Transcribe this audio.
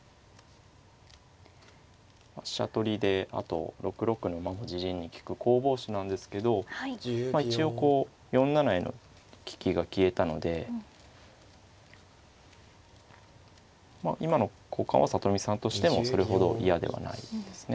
飛車取りであと６六の馬も自陣に利く攻防手なんですけど一応こう４七への利きが消えたので今の交換は里見さんとしてもそれほど嫌ではないですね。